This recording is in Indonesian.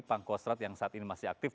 pangkostrat yang saat ini masih aktif